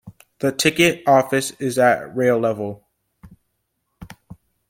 The ticket office is at rail level.